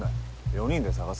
４人で捜すぞ。